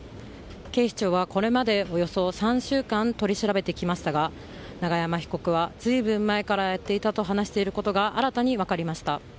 警視庁はこれまでおよそ３週間取り調べてきましたが永山被告は、随分前からやっていたと話していることが新たに分かりました。